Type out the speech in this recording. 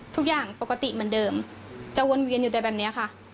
ทุกอย่างปกติเหมือนเดิมจะวนเวียนอยู่แต่แบบนี้ค่ะ